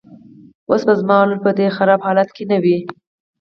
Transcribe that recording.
اوس به زما لور په دې خراب حالت کې نه وه.